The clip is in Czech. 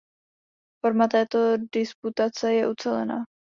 Forma této disputace je ucelená.